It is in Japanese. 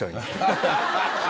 ハハハ。